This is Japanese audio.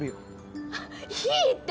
いいって。